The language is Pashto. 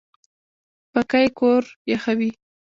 پکۍ کور یخوي